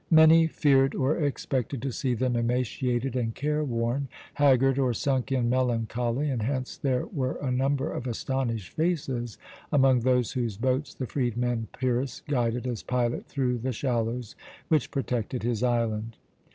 Many feared or expected to see them emaciated and careworn, haggard or sunk in melancholy, and hence there were a number of astonished faces among those whose boats the freedman Pyrrhus guided as pilot through the shallows which protected his island.